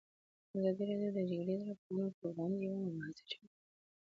ازادي راډیو د د جګړې راپورونه پر وړاندې یوه مباحثه چمتو کړې.